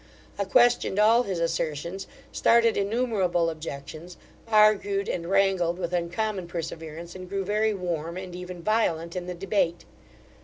I questioned all his assertions, started innumerable objections, argued and wrangled with uncommon perseverance, and grew very warm, and even violent, in the debate.